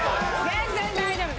全然大丈夫。